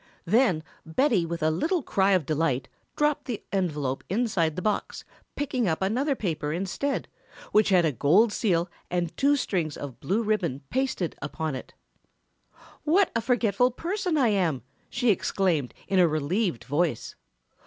Then Betty with a little cry of delight dropped the envelope inside the box picking up another paper instead, which had a gold seal and two strings of blue ribbon pasted upon it. "What a forgetful person I am!" she exclaimed in a relieved voice.